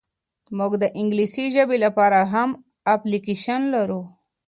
موږ د انګلیسي ژبي لپاره هم اپلیکیشن لرو.